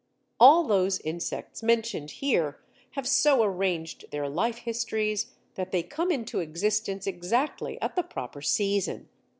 All those insects mentioned here have so arranged their life histories that they come into existence exactly at the proper season.